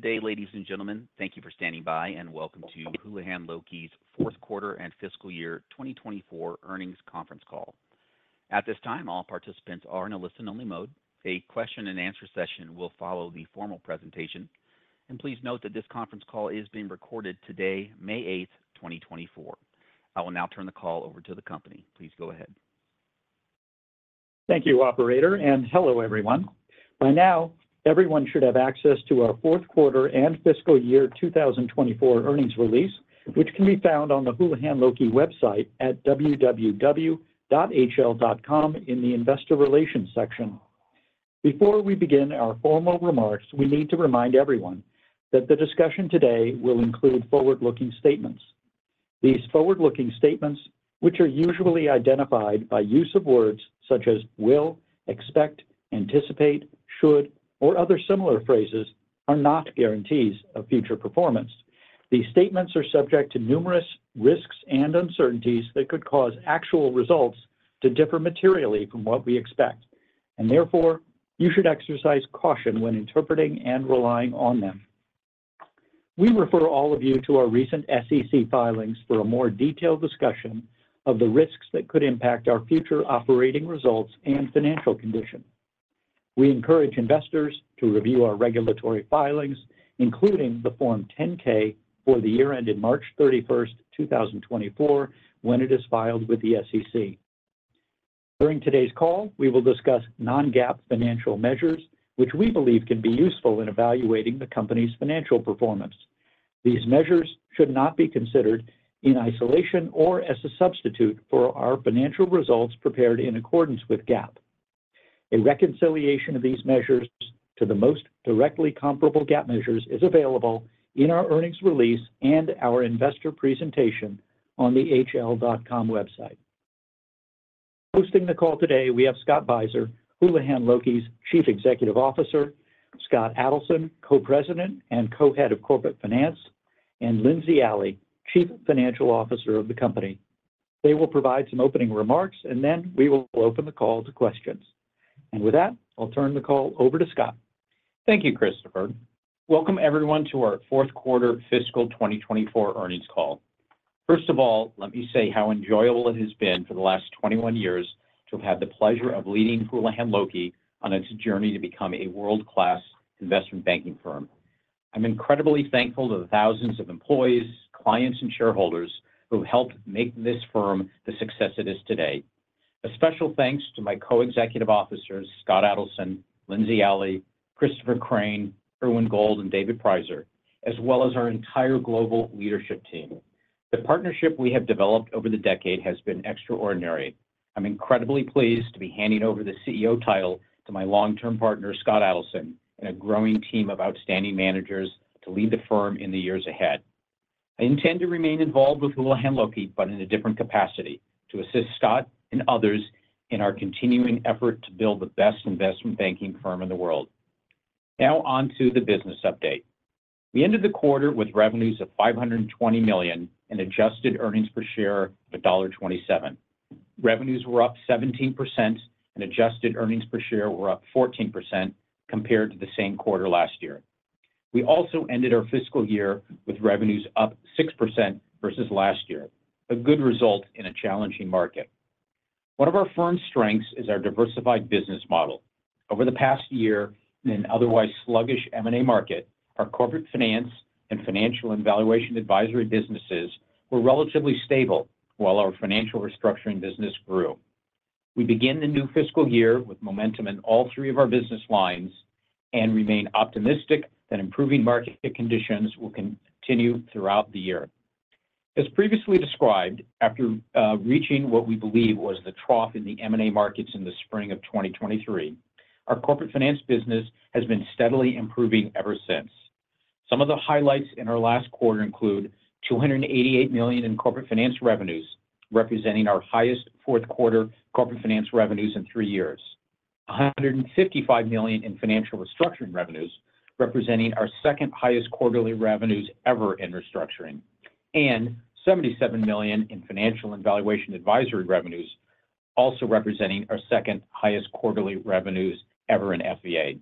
Good day, ladies and gentlemen. Thank you for standing by and welcome to Houlihan Lokey's Fourth Quarter and Fiscal Year 2024 Earnings Conference Call. At this time, all participants are in a listen-only mode. A question-and-answer session will follow the formal presentation. Please note that this conference call is being recorded today, May 8th, 2024. I will now turn the call over to the company. Please go ahead. Thank you, operator, and hello, everyone. By now, everyone should have access to our Fourth Quarter and Fiscal Year 2024 earnings release, which can be found on the Houlihan Lokey website at www.hl.com in the investor relations section. Before we begin our formal remarks, we need to remind everyone that the discussion today will include forward-looking statements. These forward-looking statements, which are usually identified by use of words such as will, expect, anticipate, should, or other similar phrases, are not guarantees of future performance. These statements are subject to numerous risks and uncertainties that could cause actual results to differ materially from what we expect, and therefore you should exercise caution when interpreting and relying on them. We refer all of you to our recent SEC filings for a more detailed discussion of the risks that could impact our future operating results and financial condition. We encourage investors to review our regulatory filings, including the Form 10-K for the year ended March 31, 2024, when it is filed with the SEC. During today's call, we will discuss non-GAAP financial measures, which we believe can be useful in evaluating the company's financial performance. These measures should not be considered in isolation or as a substitute for our financial results prepared in accordance with GAAP. A reconciliation of these measures to the most directly comparable GAAP measures is available in our earnings release and our investor presentation on the hl.com website. Hosting the call today, we have Scott Beiser, Houlihan Lokey's Chief Executive Officer, Scott Adelson, Co-President and Co-Head of Corporate Finance, and Lindsey Alley, Chief Financial Officer of the company. They will provide some opening remarks, and then we will open the call to questions. With that, I'll turn the call over to Scott. Thank you, Christopher. Welcome, everyone, to our Fourth Quarter Fiscal 2024 earnings call. First of all, let me say how enjoyable it has been for the last 21 years to have had the pleasure of leading Houlihan Lokey on its journey to become a world-class investment banking firm. I'm incredibly thankful to the thousands of employees, clients, and shareholders who have helped make this firm the success it is today. A special thanks to my co-executive officers, Scott Adelson, Lindsey Alley, Christopher Crain, Irwin Gold, and David Prizer, as well as our entire global leadership team. The partnership we have developed over the decade has been extraordinary. I'm incredibly pleased to be handing over the CEO title to my long-term partner, Scott Adelson, and a growing team of outstanding managers to lead the firm in the years ahead. I intend to remain involved with Houlihan Lokey but in a different capacity, to assist Scott and others in our continuing effort to build the best investment banking firm in the world. Now onto the business update. We ended the quarter with revenues of $520 million and adjusted earnings per share of $1.27. Revenues were up 17%, and adjusted earnings per share were up 14% compared to the same quarter last year. We also ended our fiscal year with revenues up 6% versus last year, a good result in a challenging market. One of our firm's strengths is our diversified business model. Over the past year, in an otherwise sluggish M&A market, our corporate finance and financial and valuation advisory businesses were relatively stable while our financial restructuring business grew. We begin the new fiscal year with momentum in all three of our business lines and remain optimistic that improving market conditions will continue throughout the year. As previously described, after reaching what we believe was the trough in the M&A markets in the spring of 2023, our corporate finance business has been steadily improving ever since. Some of the highlights in our last quarter include $288 million in corporate finance revenues, representing our highest fourth quarter corporate finance revenues in three years. $155 million in financial restructuring revenues, representing our second-highest quarterly revenues ever in restructuring. And $77 million in financial and valuation advisory revenues, also representing our second-highest quarterly revenues ever in FVA.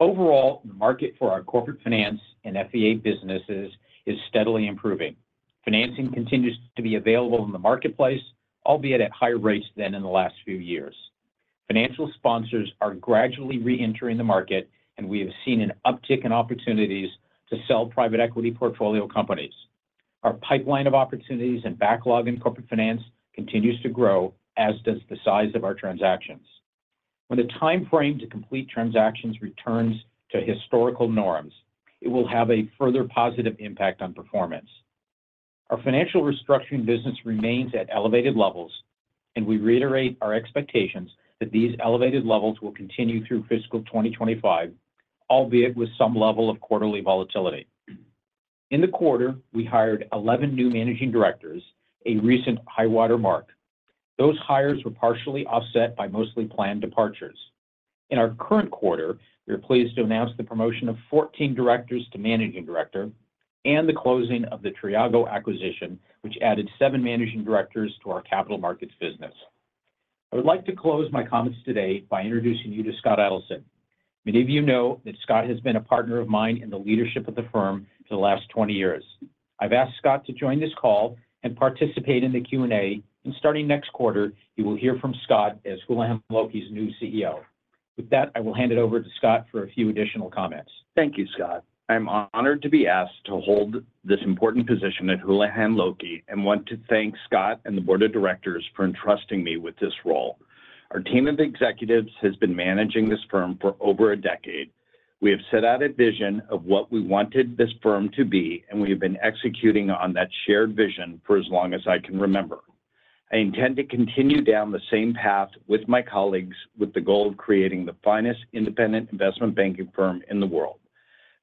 Overall, the market for our corporate finance and FVA businesses is steadily improving. Financing continues to be available in the marketplace, albeit at higher rates than in the last few years. Financial sponsors are gradually reentering the market, and we have seen an uptick in opportunities to sell private equity portfolio companies. Our pipeline of opportunities and backlog in corporate finance continues to grow, as does the size of our transactions. When the time frame to complete transactions returns to historical norms, it will have a further positive impact on performance. Our financial restructuring business remains at elevated levels, and we reiterate our expectations that these elevated levels will continue through fiscal 2025, albeit with some level of quarterly volatility. In the quarter, we hired 11 new managing directors, a recent high-water mark. Those hires were partially offset by mostly planned departures. In our current quarter, we are pleased to announce the promotion of 14 directors to managing director and the closing of the Triago acquisition, which added 7 managing directors to our capital markets business. I would like to close my comments today by introducing you to Scott Adelson. Many of you know that Scott has been a partner of mine in the leadership of the firm for the last 20 years. I've asked Scott to join this call and participate in the Q&A, and starting next quarter, you will hear from Scott as Houlihan Lokey's new CEO. With that, I will hand it over to Scott for a few additional comments. Thank you, Scott. I'm honored to be asked to hold this important position at Houlihan Lokey and want to thank Scott and the board of directors for entrusting me with this role. Our team of executives has been managing this firm for over a decade. We have set out a vision of what we wanted this firm to be, and we have been executing on that shared vision for as long as I can remember. I intend to continue down the same path with my colleagues with the goal of creating the finest independent investment banking firm in the world.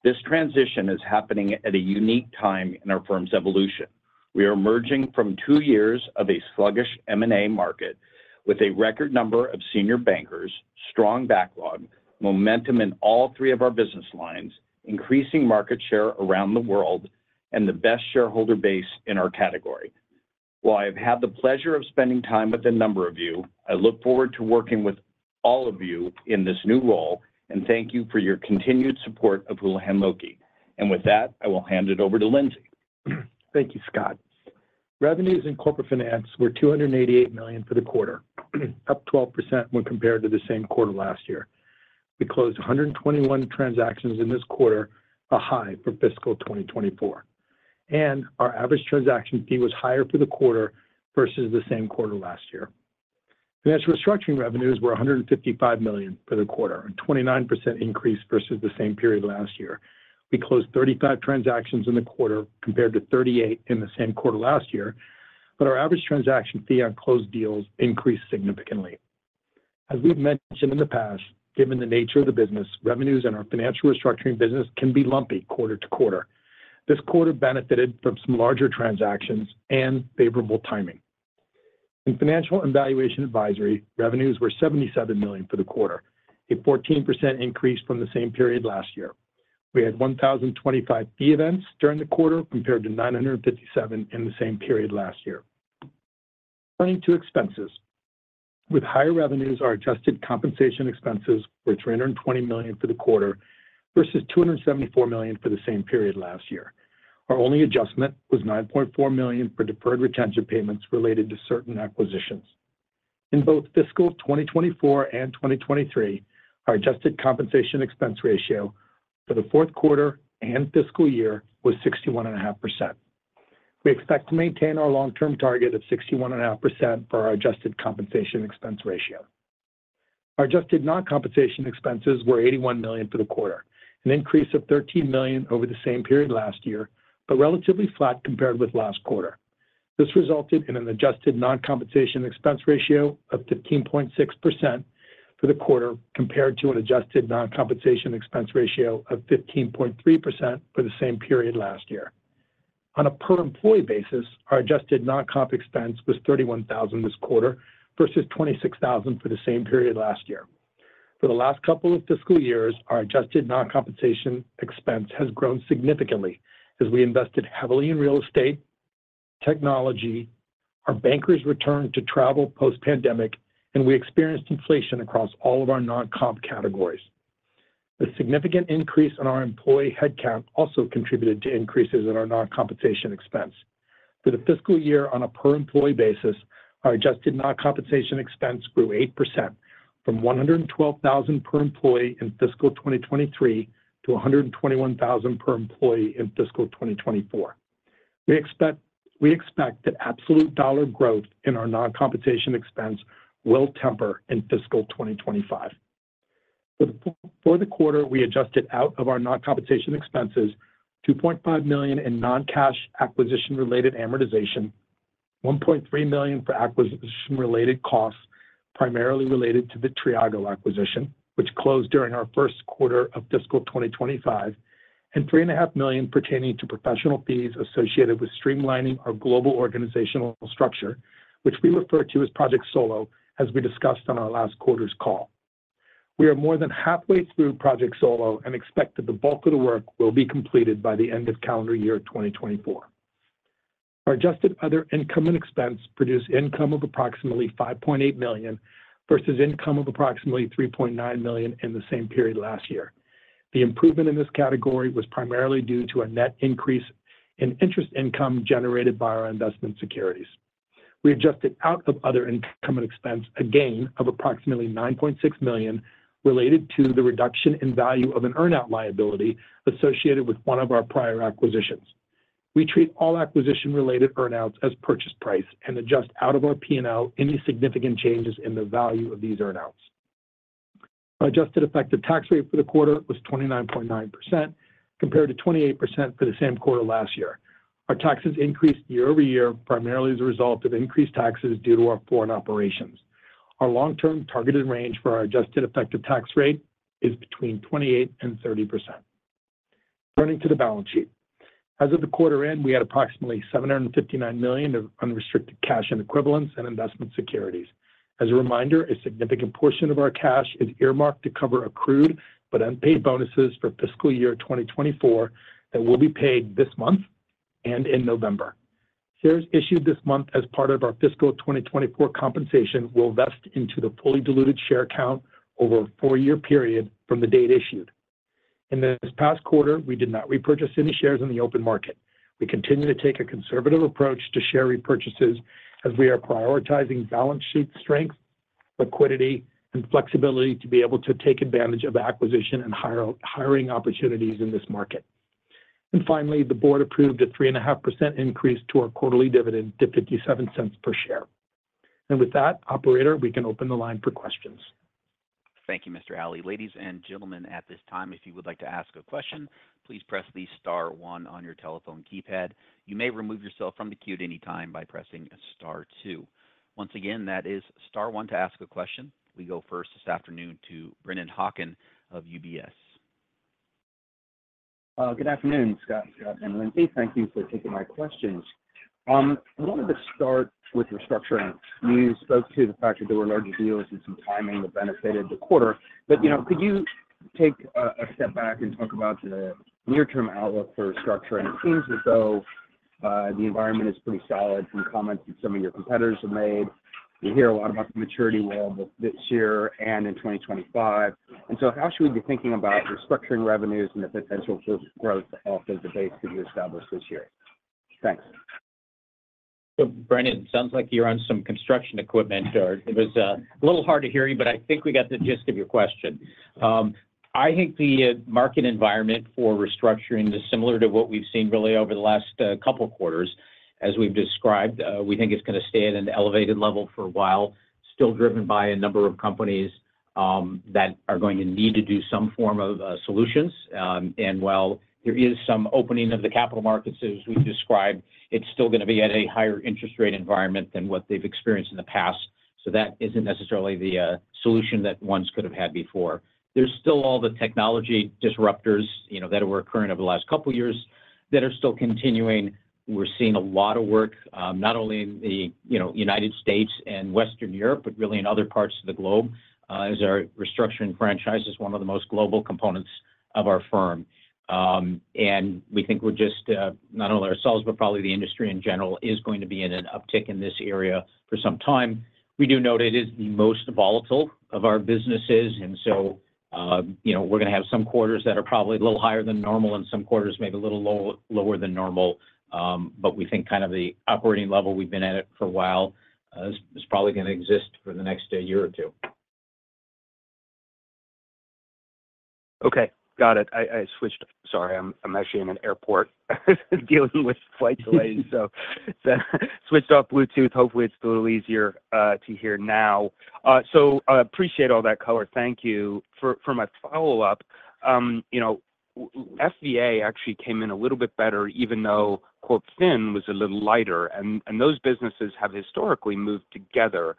This transition is happening at a unique time in our firm's evolution. We are emerging from two years of a sluggish M&A market with a record number of senior bankers, strong backlog, momentum in all three of our business lines, increasing market share around the world, and the best shareholder base in our category. While I have had the pleasure of spending time with a number of you, I look forward to working with all of you in this new role, and thank you for your continued support of Houlihan Lokey. With that, I will hand it over to Lindsey. Thank you, Scott. Revenues in corporate finance were $288 million for the quarter, up 12% when compared to the same quarter last year. We closed 121 transactions in this quarter, a high for fiscal 2024. Our average transaction fee was higher for the quarter versus the same quarter last year. Financial restructuring revenues were $155 million for the quarter, a 29% increase versus the same period last year. We closed 35 transactions in the quarter compared to 38 in the same quarter last year, but our average transaction fee on closed deals increased significantly. As we've mentioned in the past, given the nature of the business, revenues in our financial restructuring business can be lumpy quarter to quarter. This quarter benefited from some larger transactions and favorable timing. In financial and valuation advisory, revenues were $77 million for the quarter, a 14% increase from the same period last year. We had 1,025 fee events during the quarter compared to 957 in the same period last year. Turning to expenses, with higher revenues, our adjusted compensation expenses were $320 million for the quarter versus $274 million for the same period last year. Our only adjustment was $9.4 million for deferred retention payments related to certain acquisitions. In both fiscal 2024 and 2023, our adjusted compensation expense ratio for the fourth quarter and fiscal year was 61.5%. We expect to maintain our long-term target of 61.5% for our adjusted compensation expense ratio. Our adjusted non-compensation expenses were $81 million for the quarter, an increase of $13 million over the same period last year but relatively flat compared with last quarter. This resulted in an adjusted non-compensation expense ratio of 15.6% for the quarter compared to an adjusted non-compensation expense ratio of 15.3% for the same period last year. On a per-employee basis, our adjusted non-comp expense was $31,000 this quarter versus $26,000 for the same period last year. For the last couple of fiscal years, our adjusted non-compensation expense has grown significantly as we invested heavily in real estate, technology, our bankers returned to travel post-pandemic, and we experienced inflation across all of our non-comp categories. The significant increase in our employee headcount also contributed to increases in our non-compensation expense. For the fiscal year, on a per-employee basis, our adjusted non-compensation expense grew 8% from $112,000 per employee in fiscal 2023 to $121,000 per employee in fiscal 2024. We expect that absolute dollar growth in our non-compensation expense will temper in fiscal 2025. For the quarter, we adjusted out of our non-compensation expenses $2.5 million in non-cash acquisition-related amortization, $1.3 million for acquisition-related costs primarily related to the Triago acquisition, which closed during our first quarter of fiscal 2025, and $3.5 million pertaining to professional fees associated with streamlining our global organizational structure, which we refer to as Project Solo, as we discussed on our last quarter's call. We are more than halfway through Project Solo and expect that the bulk of the work will be completed by the end of calendar year 2024. Our adjusted other income and expense produce income of approximately $5.8 million versus income of approximately $3.9 million in the same period last year. The improvement in this category was primarily due to a net increase in interest income generated by our investment securities. We adjusted out of other income and expense a gain of approximately $9.6 million related to the reduction in value of an earnout liability associated with one of our prior acquisitions. We treat all acquisition-related earnouts as purchase price and adjust out of our P&L any significant changes in the value of these earnouts. Our adjusted effective tax rate for the quarter was 29.9% compared to 28% for the same quarter last year. Our taxes increased year-over-year primarily as a result of increased taxes due to our foreign operations. Our long-term targeted range for our adjusted effective tax rate is between 28%-30%. Turning to the balance sheet, as of the quarter end, we had approximately $759 million of unrestricted cash and equivalents and investment securities. As a reminder, a significant portion of our cash is earmarked to cover accrued but unpaid bonuses for fiscal year 2024 that will be paid this month and in November. Shares issued this month as part of our fiscal 2024 compensation will vest into the fully diluted share account over a four-year period from the date issued. In this past quarter, we did not repurchase any shares in the open market. We continue to take a conservative approach to share repurchases as we are prioritizing balance sheet strength, liquidity, and flexibility to be able to take advantage of acquisition and hiring opportunities in this market. Finally, the board approved a 3.5 increase to our quarterly dividend to $0.57 per share. With that, operator, we can open the line for questions. Thank you, Mr. Alley. Ladies and gentlemen, at this time, if you would like to ask a question, please press the star one on your telephone keypad. You may remove yourself from the queue at any time by pressing star two. Once again, that is star one to ask a question. We go first this afternoon to Brennan Hawken of UBS. Good afternoon, Scott, Scott, and Lindsey. Thank you for taking my questions. I wanted to start with restructuring. You spoke to the fact that there were larger deals and some timing that benefited the quarter. But could you take a step back and talk about the near-term outlook for restructuring? It seems as though the environment is pretty solid from comments that some of your competitors have made. We hear a lot about the maturity wall this year and in 2025. And so how should we be thinking about restructuring revenues and the potential for growth off of the base that you established this year? Thanks. So Brennan, it sounds like you're on some construction equipment. It was a little hard to hear you, but I think we got the gist of your question. I think the market environment for restructuring is similar to what we've seen really over the last couple of quarters. As we've described, we think it's going to stay at an elevated level for a while, still driven by a number of companies that are going to need to do some form of solutions. And while there is some opening of the capital markets as we've described, it's still going to be at a higher interest rate environment than what they've experienced in the past. So that isn't necessarily the solution that once could have had before. There's still all the technology disruptors that were occurring over the last couple of years that are still continuing. We're seeing a lot of work not only in the United States and Western Europe, but really in other parts of the globe as our restructuring franchise is one of the most global components of our firm. We think we're just not only ourselves, but probably the industry in general is going to be in an uptick in this area for some time. We do note it is the most volatile of our businesses. We're going to have some quarters that are probably a little higher than normal and some quarters maybe a little lower than normal. But we think kind of the operating level we've been at it for a while is probably going to exist for the next year or two. Okay. Got it. I switched, sorry. I'm actually in an airport dealing with flight delays. So switched off Bluetooth. Hopefully, it's a little easier to hear now. So I appreciate all that color. Thank you. For my follow-up, FVA actually came in a little bit better even though Corp Fin was a little lighter. And those businesses have historically moved together.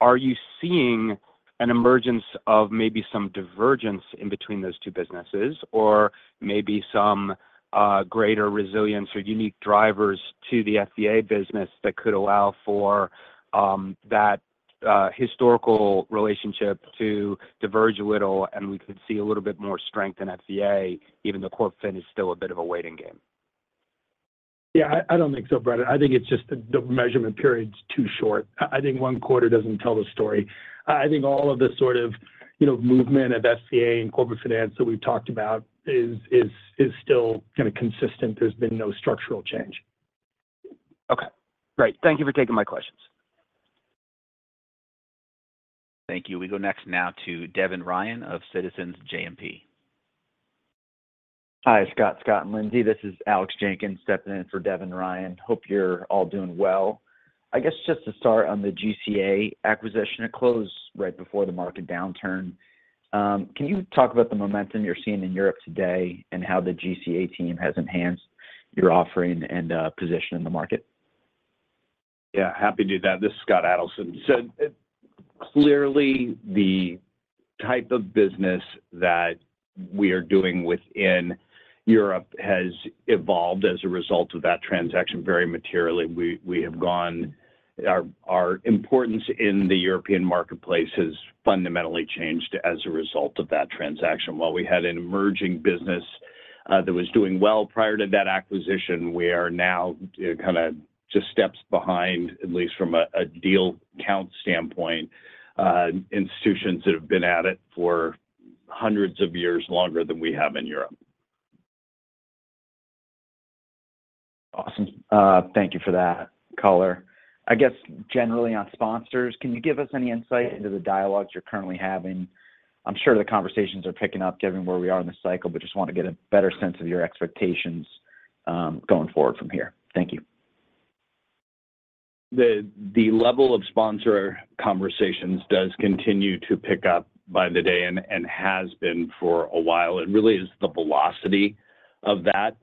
Are you seeing an emergence of maybe some divergence in between those two businesses or maybe some greater resilience or unique drivers to the FVA business that could allow for that historical relationship to diverge a little and we could see a little bit more strength in FVA even though Corp Fin is still a bit of a waiting game? Yeah. I don't think so, Brennan. I think it's just the measurement period's too short. I think one quarter doesn't tell the story. I think all of the sort of movement of FVA and corporate finance that we've talked about is still kind of consistent. There's been no structural change. Okay. Great. Thank you for taking my questions. Thank you. We go next now to Devin Ryan of Citizens JMP. Hi, Scott. Scott and Lindsey, this is Alex Jenkins stepping in for Devin Ryan. Hope you're all doing well. I guess just to start on the GCA acquisition, it closed right before the market downturn. Can you talk about the momentum you're seeing in Europe today and how the GCA team has enhanced your offering and position in the market? Yeah. Happy to do that. This is Scott Adelson. So clearly, the type of business that we are doing within Europe has evolved as a result of that transaction very materially. Our importance in the European marketplace has fundamentally changed as a result of that transaction. While we had an emerging business that was doing well prior to that acquisition, we are now kind of just steps behind, at least from a deal count standpoint, institutions that have been at it for hundreds of years longer than we have in Europe. Awesome. Thank you for that, color. I guess generally on sponsors, can you give us any insight into the dialogues you're currently having? I'm sure the conversations are picking up given where we are in the cycle, but just want to get a better sense of your expectations going forward from here. Thank you. The level of sponsor conversations does continue to pick up by the day and has been for a while. It really is the velocity of that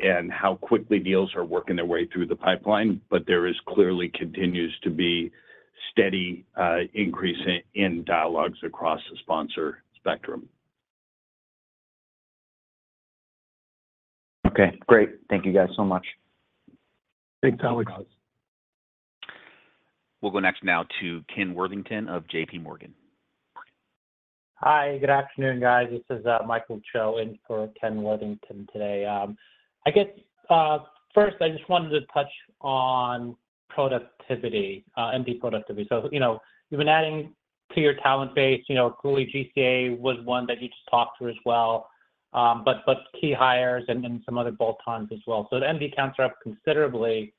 and how quickly deals are working their way through the pipeline. But there clearly continues to be steady increase in dialogues across the sponsor spectrum. Okay. Great. Thank you guys so much. Thanks, Alex. We'll go next now to Ken Worthington of J.P. Morgan. Hi. Good afternoon, guys. This is Michael Cho in for Ken Worthington today. I guess first, I just wanted to touch on MD Productivity. So you've been adding to your talent base. Clearly, GCA was one that you just talked to as well, but key hires and some other bolt-ons as well. So the MD counts are up considerably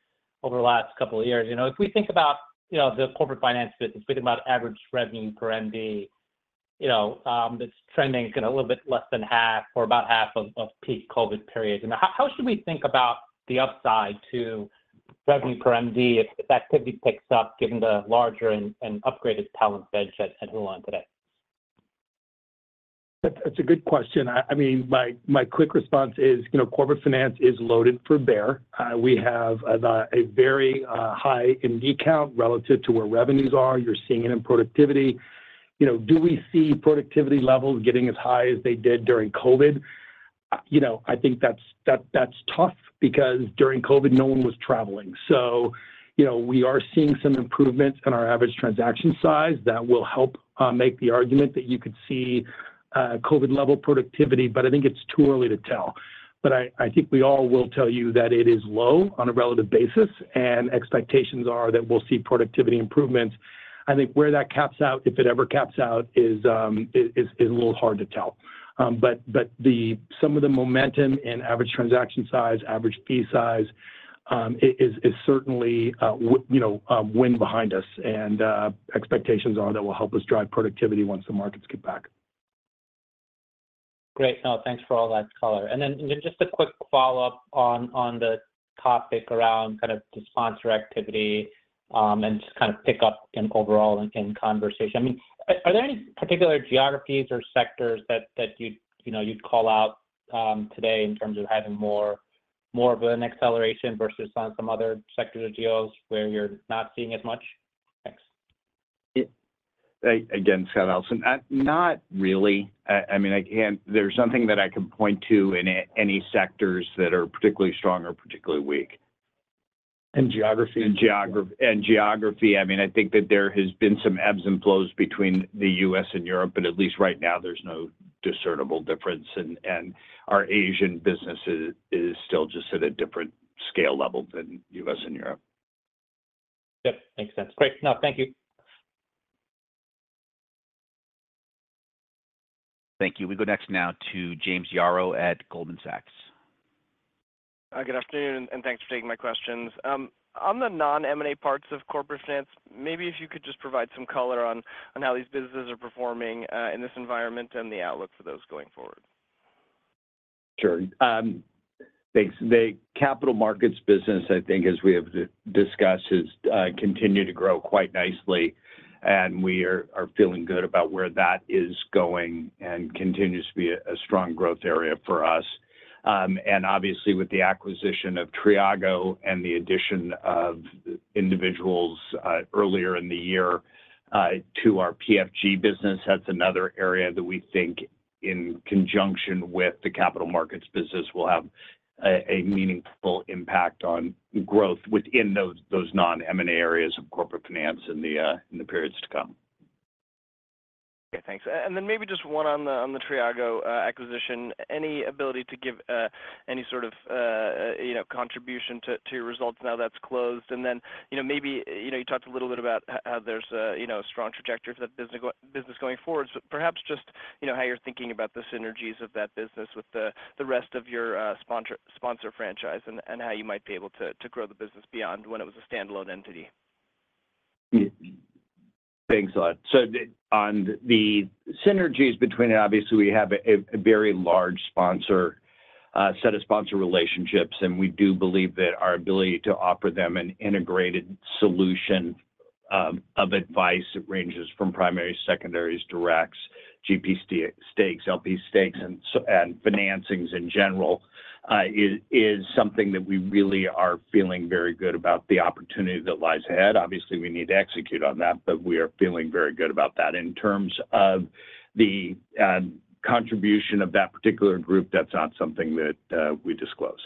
over the last couple of years. If we think about the corporate finance business, if we think about average revenue per MD, that's trending kind of a little bit less than half or about half of peak COVID periods. And how should we think about the upside to revenue per MD if activity picks up given the larger and upgraded talent bench at Houlihan today? That's a good question. I mean, my quick response is corporate finance is loaded for bear. We have a very high MD count relative to where revenues are. You're seeing it in productivity. Do we see productivity levels getting as high as they did during COVID? I think that's tough because during COVID, no one was traveling. So we are seeing some improvements in our average transaction size. That will help make the argument that you could see COVID-level productivity, but I think it's too early to tell. But I think we all will tell you that it is low on a relative basis, and expectations are that we'll see productivity improvements. I think where that caps out, if it ever caps out, is a little hard to tell. But some of the momentum in average transaction size, average fee size is certainly a win behind us and expectations are that will help us drive productivity once the markets get back. Great. Thanks for all that, color. Then just a quick follow-up on the topic around kind of the sponsor activity and just kind of pick up overall in conversation. I mean, are there any particular geographies or sectors that you'd call out today in terms of having more of an acceleration versus on some other sectors or deals where you're not seeing as much? Thanks. Again, Scott Adelson. Not really. I mean, there's nothing that I can point to in any sectors that are particularly strong or particularly weak. And geography? And geography. I mean, I think that there has been some ebbs and flows between the U.S. and Europe, but at least right now, there's no discernible difference. Our Asian business is still just at a different scale level than U.S. and Europe. Yep. Makes sense. Great. No, thank you. Thank you. We go next now to James Yaro at Goldman Sachs. Good afternoon and thanks for taking my questions. On the non-M&A parts of corporate finance, maybe if you could just provide some color on how these businesses are performing in this environment and the outlook for those going forward. Sure. Thanks. The capital markets business, I think, as we have discussed, has continued to grow quite nicely. We are feeling good about where that is going and continues to be a strong growth area for us. Obviously, with the acquisition of Triago and the addition of individuals earlier in the year to our PFG business, that's another area that we think in conjunction with the capital markets business will have a meaningful impact on growth within those non-M&A areas of corporate finance in the periods to come. Okay. Thanks. And then maybe just one on the Triago acquisition. Any ability to give any sort of contribution to your results now that's closed? And then maybe you talked a little bit about how there's a strong trajectory for that business going forward, but perhaps just how you're thinking about the synergies of that business with the rest of your sponsor franchise and how you might be able to grow the business beyond when it was a standalone entity. Thanks, Scott. So on the synergies between it, obviously, we have a very large set of sponsor relationships, and we do believe that our ability to offer them an integrated solution of advice that ranges from primary, secondaries, directs, GP stakes, LP stakes, and financings in general is something that we really are feeling very good about the opportunity that lies ahead. Obviously, we need to execute on that, but we are feeling very good about that in terms of the contribution of that particular group. That's not something that we disclose.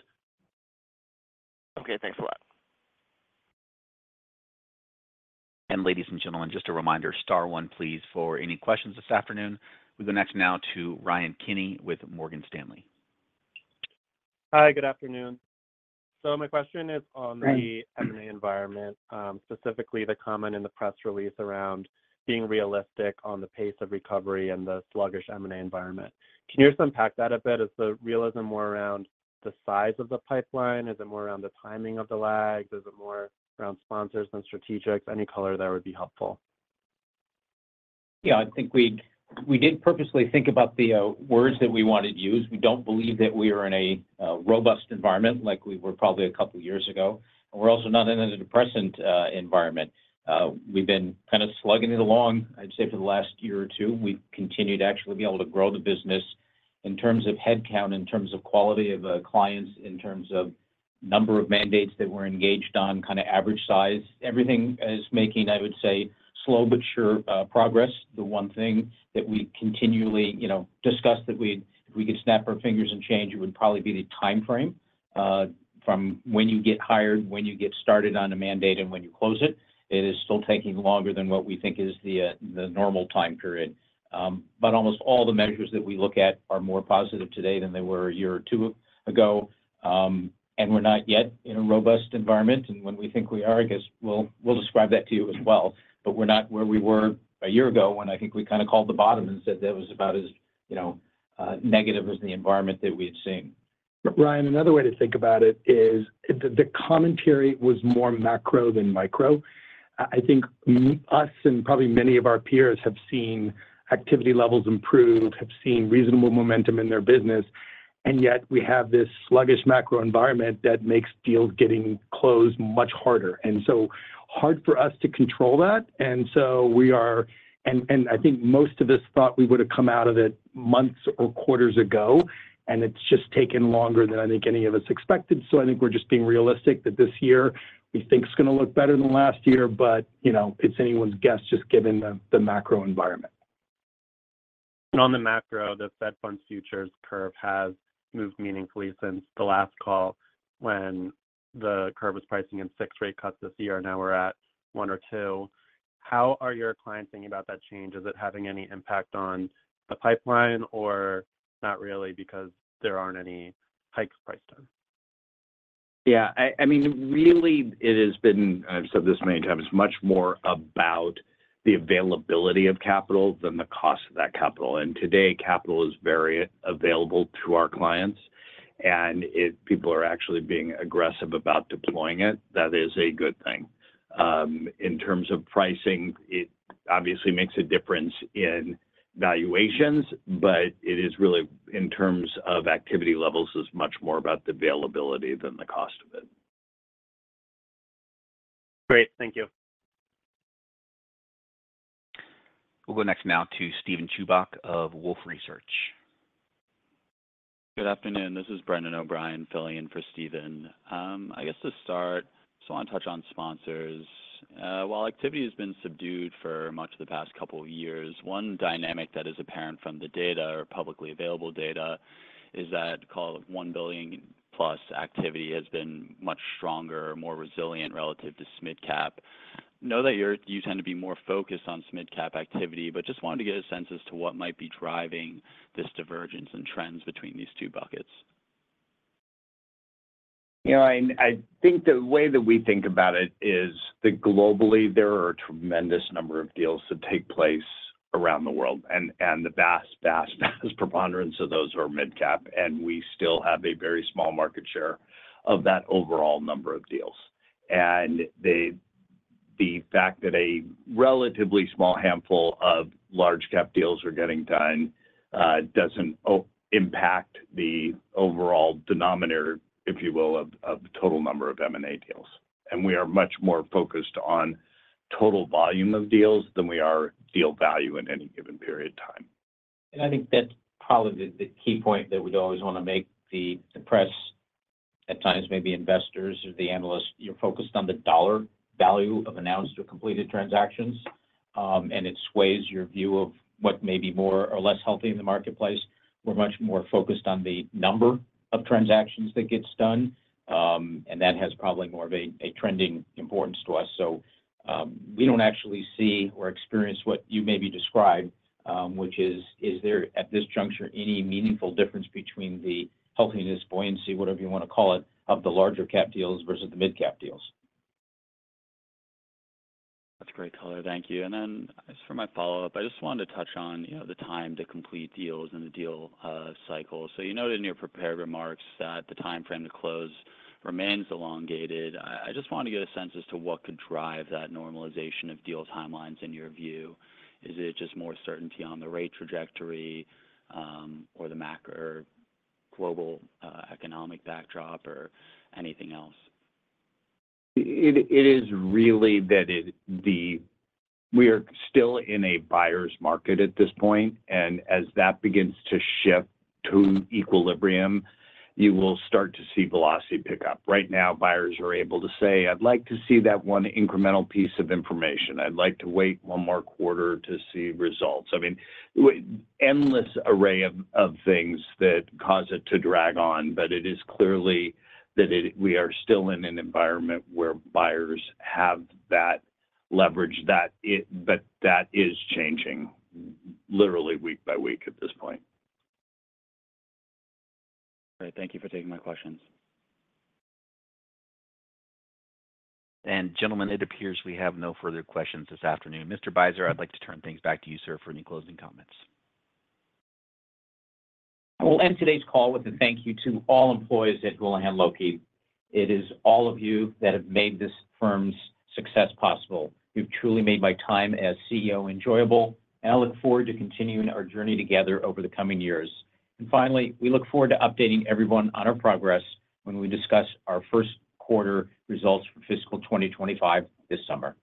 Okay. Thanks a lot. Ladies and gentlemen, just a reminder, star one, please, for any questions this afternoon. We go next now to Ryan Kenny with Morgan Stanley. Hi. Good afternoon. So my question is on the M&A environment, specifically the comment in the press release around being realistic on the pace of recovery and the sluggish M&A environment. Can you just unpack that a bit? Is the realism more around the size of the pipeline? Is it more around the timing of the lags? Is it more around sponsors than strategics? Any color that would be helpful. Yeah. I think we did purposely think about the words that we wanted to use. We don't believe that we are in a robust environment like we were probably a couple of years ago. And we're also not in a depressant environment. We've been kind of slugging it along, I'd say, for the last year or two. We've continued to actually be able to grow the business in terms of headcount, in terms of quality of clients, in terms of number of mandates that we're engaged on, kind of average size. Everything is making, I would say, slow but sure progress. The one thing that we continually discuss that if we could snap our fingers and change, it would probably be the timeframe from when you get hired, when you get started on a mandate, and when you close it. It is still taking longer than what we think is the normal time period. But almost all the measures that we look at are more positive today than they were a year or two ago. And we're not yet in a robust environment. And when we think we are, I guess we'll describe that to you as well. But we're not where we were a year ago when I think we kind of called the bottom and said that it was about as negative as the environment that we had seen. Ryan, another way to think about it is the commentary was more macro than micro. I think us and probably many of our peers have seen activity levels improve, have seen reasonable momentum in their business. And yet, we have this sluggish macro environment that makes deals getting closed much harder. And so hard for us to control that. And so we are, and I think most of us thought we would have come out of it months or quarters ago, and it's just taken longer than I think any of us expected. So I think we're just being realistic that this year, we think it's going to look better than last year, but it's anyone's guess just given the macro environment. On the macro, the Fed funds futures curve has moved meaningfully since the last call when the curve was pricing in 6 rate cuts this year. Now we're at 1 or 2. How are your clients thinking about that change? Is it having any impact on the pipeline or not really because there aren't any hikes priced in? Yeah. I mean, really, it has been. I've said this many times. It's much more about the availability of capital than the cost of that capital. And today, capital is very available to our clients. And people are actually being aggressive about deploying it. That is a good thing. In terms of pricing, it obviously makes a difference in valuations, but it is really in terms of activity levels is much more about the availability than the cost of it. Great. Thank you. We'll go next now to Steven Chubak of Wolfe Research. Good afternoon. This is Brendan O'Brien, filling in for Steven. I guess to start, I just want to touch on sponsors. While activity has been subdued for much of the past couple of years, one dynamic that is apparent from the data or publicly available data is that, call it, 1 billion-plus activity has been much stronger, more resilient relative to SMID cap. I know that you tend to be more focused on SMID cap activity, but just wanted to get a sense as to what might be driving this divergence and trends between these two buckets? I think the way that we think about it is that globally, there are a tremendous number of deals that take place around the world. And the vast, vast, vast preponderance of those are mid-cap. And we still have a very small market share of that overall number of deals. And the fact that a relatively small handful of large-cap deals are getting done doesn't impact the overall denominator, if you will, of total number of M&A deals. And we are much more focused on total volume of deals than we are deal value in any given period of time. And I think that's probably the key point that we'd always want to make the press, at times maybe investors or the analysts, you're focused on the dollar value of announced or completed transactions. And it sways your view of what may be more or less healthy in the marketplace. We're much more focused on the number of transactions that gets done. And that has probably more of a trending importance to us. So we don't actually see or experience what you maybe described, which is, is there at this juncture any meaningful difference between the healthiness, buoyancy, whatever you want to call it, of the larger-cap deals versus the mid-cap deals? That's great, caller. Thank you. And then just for my follow-up, I just wanted to touch on the time to complete deals and the deal cycle. So you noted in your prepared remarks that the timeframe to close remains elongated. I just wanted to get a sense as to what could drive that normalization of deal timelines in your view. Is it just more certainty on the rate trajectory or the macro global economic backdrop or anything else? It is really that we are still in a buyer's market at this point. And as that begins to shift to equilibrium, you will start to see velocity pick up. Right now, buyers are able to say, "I'd like to see that one incremental piece of information. I'd like to wait one more quarter to see results." I mean, endless array of things that cause it to drag on. But it is clearly that we are still in an environment where buyers have that leverage, but that is changing literally week by week at this point. Great. Thank you for taking my questions. Gentlemen, it appears we have no further questions this afternoon. Mr. Beiser, I'd like to turn things back to you, sir, for any closing comments. I will end today's call with a thank you to all employees at Houlihan Lokey. It is all of you that have made this firm's success possible. You've truly made my time as CEO enjoyable, and I look forward to continuing our journey together over the coming years. And finally, we look forward to updating everyone on our progress when we discuss our first quarter results for fiscal 2025 this summer.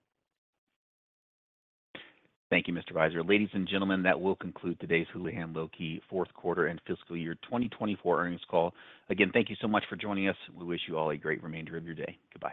Thank you, Mr. Beiser. Ladies and gentlemen, that will conclude today's Houlihan Lokey fourth quarter and fiscal year 2024 earnings call. Again, thank you so much for joining us. We wish you all a great remainder of your day. Goodbye.